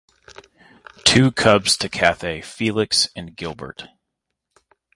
Two cubs to Cathay: Felix and Gilbert.